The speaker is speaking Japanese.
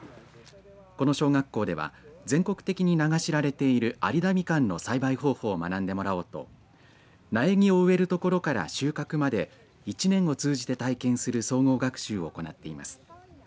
この小学校では全国的に名が知られている有田みかんの栽培方法を学んでもらおうと苗木を植えるところから収穫まで一年を通じて体験する総合学習を行っています。